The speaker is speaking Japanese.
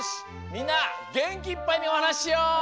みんなげんきいっぱいにおはなししよう！